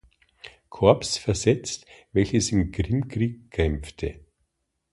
Korps versetzt, welches im Krimkrieg kämpfte.